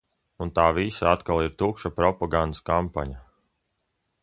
Un tā visa atkal ir tukša propagandas kampaņa.